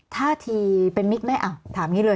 ถ้าทีเป็นมิตรไหมถามงี้เลย